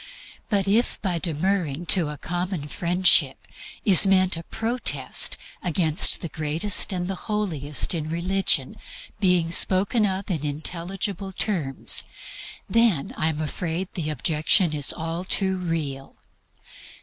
But if by demurring to "a common friendship" is meant a protest against the greatest and the holiest in religion being spoken of in intelligible terms, then I am afraid the objection is all too real.